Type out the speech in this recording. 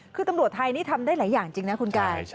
คือตำรวจไทยนี่ทำได้หลายอย่างจริงนะคุณกาย